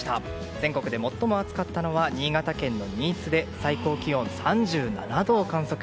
全国で最も暑かったのは新潟県の新津で最高気温３７度を観測。